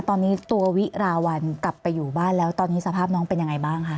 ตอนนี้ตัววิราวัลกลับไปอยู่บ้านแล้วตอนนี้สภาพน้องเป็นยังไงบ้างคะ